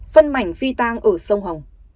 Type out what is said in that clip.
phân mảnh phi tàng ở sông hồng